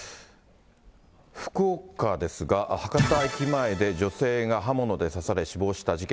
福岡ですが、博多駅前で女性が刃物で刺され死亡した事件。